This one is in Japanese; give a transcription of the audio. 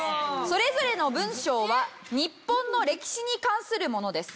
それぞれの文章は日本の歴史に関するものです。